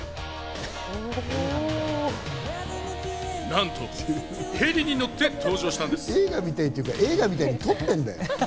なんとヘリに乗って登場した映画みたいっていうか、映画みたいに撮ってんだよ。